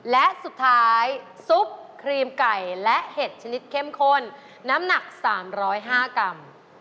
และสุดท้ายซุปครีมไก่และเห็ดชนิดเข้มข้นน้ำหนัก๓๐๕กรัม